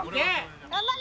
頑張れ！